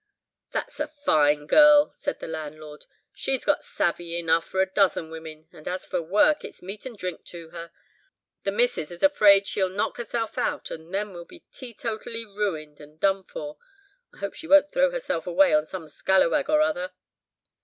"That's a fine girl," said the landlord, "she's got 'savey' enough for a dozen women; and as for work, it's meat and drink to her. The missus is afraid she'll knock herself out, and then we'll be teetotally ruined and done for. I hope she won't throw herself away on some scallowag or other."